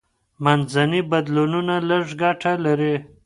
منځني بدلونونه لږه ګټه لري.